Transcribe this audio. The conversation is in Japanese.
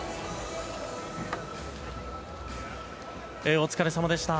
お疲れさまでした。